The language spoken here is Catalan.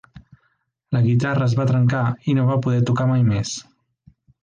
La guitarra es va trencar i no va poder tocar mai més.